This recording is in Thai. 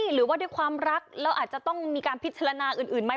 หรือว่าด้วยความรักแล้วอาจจะต้องมีการพิจารณาอื่นไหม